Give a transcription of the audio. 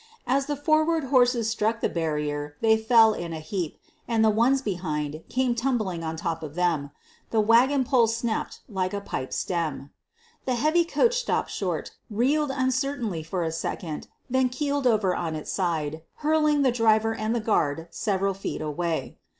As the forward horses struck the barrier they fell in a heap and the ones behind came tumbling on top of them. The wagon pole snapped like a pipe stem. The heavy coach stopped short, reeled uncertainly for a second, then keeled over on its side, hurling both the driver and the guard several feet away.